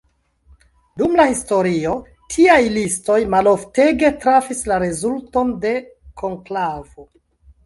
Dum la historio tiaj listoj maloftege trafis la rezulton de konklavo.